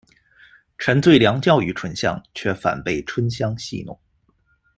陈最良教育春香，却反被春香戏弄。